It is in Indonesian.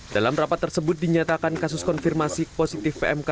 dalam rapat tersebut dinyatakan kasus konfirmasi positif pmk